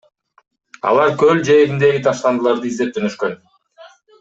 Алар көл жээгиндеги таштандыларды издеп жөнөшкөн.